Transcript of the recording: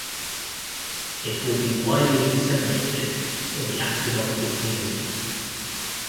It will be widely disseminated in the astronomical community.